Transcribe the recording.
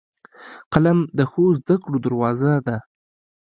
قلم د ښو زدهکړو دروازه ده